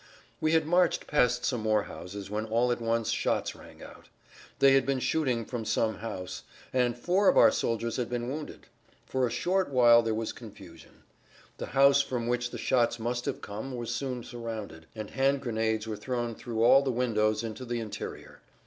We had marched past some more houses when all at once shots rang out; they had been shooting from some house, and four of our soldiers had been wounded. For a short while there was confusion. The house from which the shots must have come was soon surrounded, and hand grenades were thrown through all the windows into the interior.